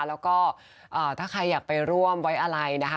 แล้วก็ถ้าใครอยากไปร่วมไว้อะไรนะคะ